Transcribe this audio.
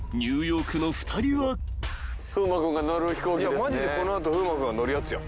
いやマジでこの後風磨君が乗るやつや。